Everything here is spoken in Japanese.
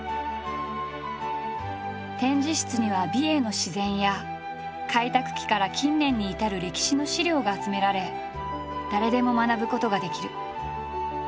展示室には美瑛の自然や開拓期から近年に至る歴史の資料が集められ誰でも学ぶことができる。